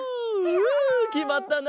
うきまったな！